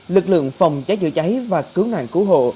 lực lượng phòng cháy chữa cháy và cứu nạn cứu hộ